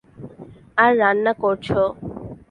আর রান্না করছো।